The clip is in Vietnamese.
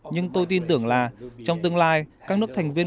nhưng tôi tin tưởng là trong tương lai các nước thành viên